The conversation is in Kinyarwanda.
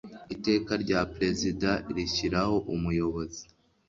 iteka rya perezida rishyiraho umuyobozi